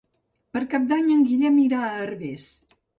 Per Cap d'Any en Guillem irà a Herbers.